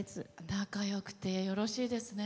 仲よくてよろしいですね。